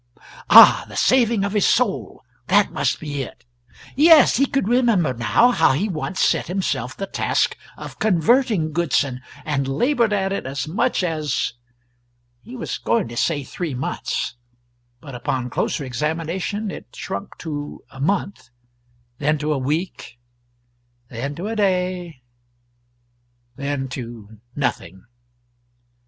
Ah the saving of his soul! That must be it. Yes, he could remember, now, how he once set himself the task of converting Goodson, and laboured at it as much as he was going to say three months; but upon closer examination it shrunk to a month, then to a week, then to a day, then to nothing.